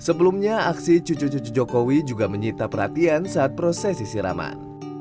sebelumnya aksi cucu cucu jokowi juga menyita perhatian saat prosesi siraman